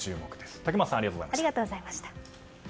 竹俣さんありがとうございました。